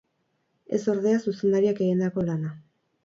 Ez ordea, zuzendariak egindako lana.